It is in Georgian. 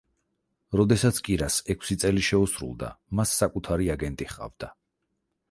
როდესაც კირას ექვსი წელი შეუსრულდა, მას საკუთარი აგენტი ჰყავდა.